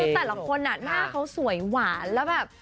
คือแต่ละคนหน้าเขาสวยหวานแล้วแบบ